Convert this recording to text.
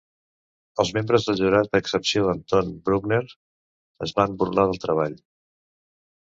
Els membres del jurat -a excepció d'Anton Bruckner- es van burlar del treball.